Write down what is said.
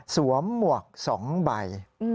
สวมหมวกสองใบ